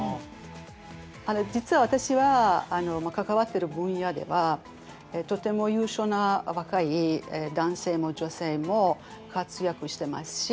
実は私は関わってる分野ではとても優秀な若い男性も女性も活躍してますし